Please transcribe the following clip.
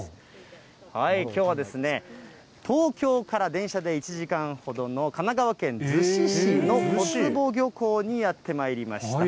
きょうは、東京から電車で１時間ほどの神奈川県逗子市の小坪漁港にやってまいりました。